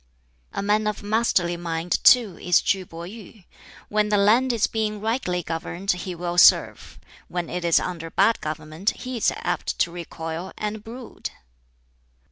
"A man of masterly mind, too, is KŁ Pih yuh! When the land is being rightly governed he will serve; when it is under bad government he is apt to recoil, and brood."